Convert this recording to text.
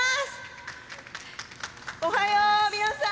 おはよう、皆さん。